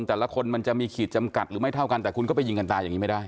แต่ละคนมันจะมีขีดจำกัดหรือไม่เท่ากันแต่คุณก็ไปยิงกันตายอย่างนี้ไม่ได้